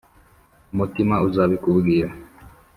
umutima uzabikubwira